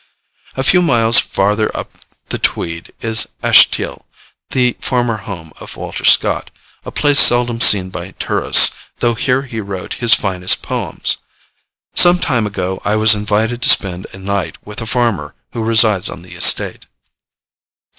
A few miles farther up the Tweed is Ashetiel, the former home of Walter Scott, a place seldom seen by tourists, though here he wrote his finest poems. Some time ago I was invited to spend a night with a farmer who resides on the estate.